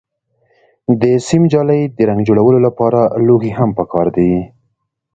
د سیم جالۍ، د رنګ جوړولو لپاره لوښي هم پکار دي.